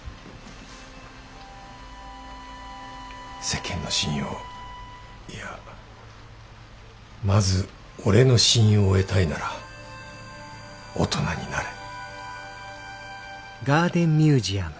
世間の信用いやまず俺の信用を得たいなら大人になれ。